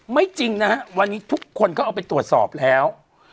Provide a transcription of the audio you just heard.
จริงนะฮะวันนี้ทุกคนก็เอาไปตรวจสอบแล้ว